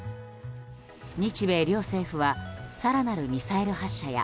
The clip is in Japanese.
日米両政府は更なるミサイル発射や